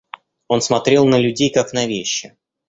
Он смотрел на людей, как на вещи.